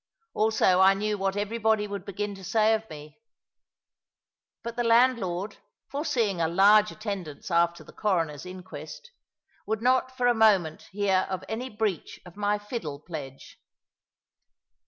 Also I knew what everybody would begin to say of me; but the landlord, foreseeing a large attendance after the Coroner's inquest, would not for a moment hear of any breach of my fiddle pledge.